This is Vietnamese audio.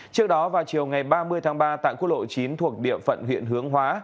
trước đó vào chiều ngày ba mươi tháng ba tại quốc lộ chín thuộc địa phận huyện hướng hóa